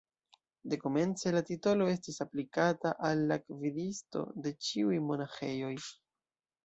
Dekomence la titolo estis aplikata al la gvidisto de ĉiuj monaĥejoj.